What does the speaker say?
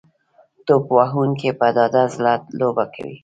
توپ وهونکي په ډاډه زړه لوبه کوي.